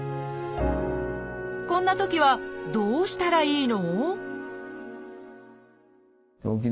こんなときはどうしたらいいの？